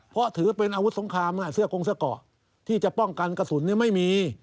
เพราะถือเป็นอาวุธสงครามเสื้อกงเสื้อเกาะที่จะป้องกันกระสุนไม่มี